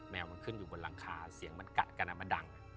แมวมันขึ้นอยู่บนหลังคาเสียงมันกัดกันมันดัง